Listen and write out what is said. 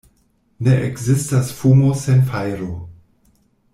Ne ekzistas fumo sen fajro.